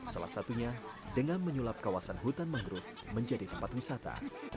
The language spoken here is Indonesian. salah satunya dengan menyulap kawasan hutan mangrove menjadi tempat wisata